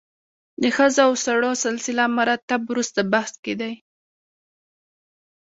د ښځو او سړو سلسله مراتب وروسته بحث کې دي.